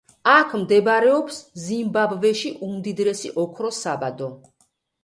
აქ მდებარეობს ზიმბაბვეში უმდიდრესი ოქროს საბადო.